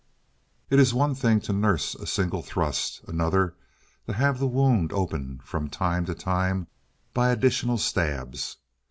It is one thing to nurse a single thrust, another to have the wound opened from time to time by additional stabs.